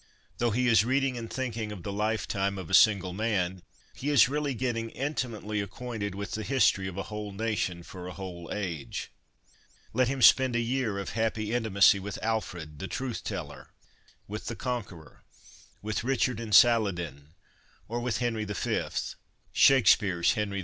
Though he is reading and thinking of the lifetime of a single man, he is really getting intimately acquainted with the history of a whole nation for a whole age. Let him spend a year of happy intimacy with Alfred, 'the truth teller,' with the Conqueror, with Richard and Saladin, or with Henry V. Shakespeare's Henry V.